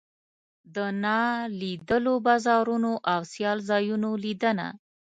د نالیدلو بازارونو او سیال ځایونو لیدنه.